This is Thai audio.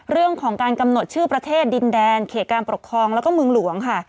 เรื่องของการกำหนดชื่อประเทศดินแดนเขตการปกครองแล้วก็เมืองหลวงค่ะ